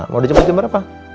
mau dijemput jam berapa